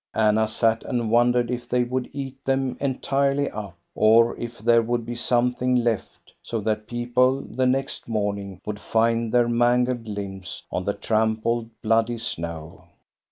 Anna sat and wondered if they would eat them entirely up, or if there would be something left, so that people the next morning would find their mangled limbs on the trampled, bloody snow.